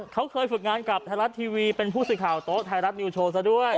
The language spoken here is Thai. เขาเคยฝึกงานกับไทยรัฐทีวีเป็นผู้สื่อข่าวโต๊ะไทยรัฐนิวโชว์ซะด้วย